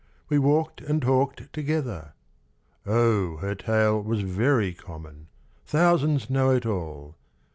We walked and talked together. O her tale Was very common; thousands know it all!